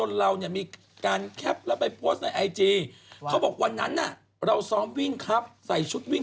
นี่มีการเล่าไปเลยยังไงคะคุณ